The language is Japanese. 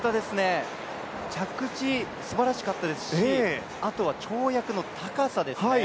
着地、すばらしかったですしあとは、跳躍の高さですね。